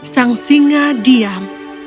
sang singa diam